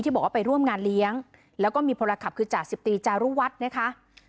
บอกว่าไปร่วมงานเลี้ยงแล้วก็มีพลขับคือจ่าสิบตีจารุวัฒน์นะคะ